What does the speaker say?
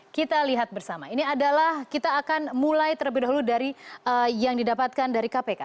kita lihat bersama ini adalah kita akan mulai terlebih dahulu dari yang didapatkan dari kpk